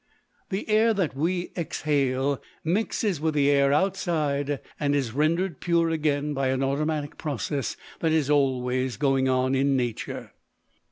The air that we exhale mixes with the air outside, and is rendered pure again by an automatic process that is always going on in Nature.